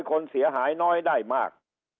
คนเสียหายน้อยได้มาก